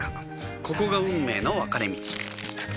ここが運命の分かれ道